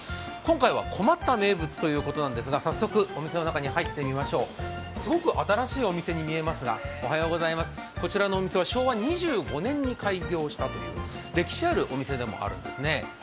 今回は困った名物ということなんですが早速、お店の中に入ってみましょうすごく新しいお店に見えますがこちらのお店は昭和２５年に開業されたという歴史あるお店でもあるんですね。